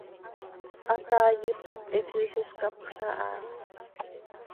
Hataai ipehe quih isizcapxla aha.